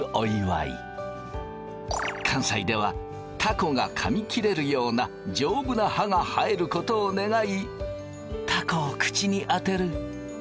関西ではたこがかみ切れるようなじょうぶな歯が生えることを願いたこを口に当てる。